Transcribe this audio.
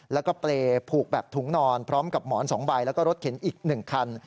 แล้วก็เปรย์ผูกแบบถุงนอนพร้อมกับหมอน๒ใบแล้วก็รถเข็นอีก๑คัน